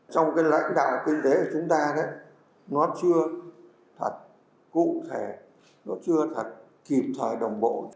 trong cái lãnh đạo kinh tế của chúng ta nó chưa thật cụ thể nó chưa thật kịp thời đồng bộ